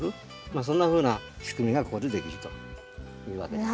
まあそんなふうな仕組みがここでできるというわけです。